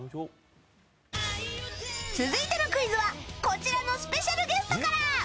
続いてのクイズはこちらのスペシャルゲストから。